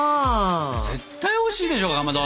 絶対おいしいでしょかまど。